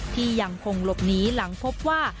ที่ยังคงหลบหนีหลังพบว่า